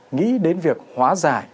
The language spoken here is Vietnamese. nghĩ đến việc hóa giải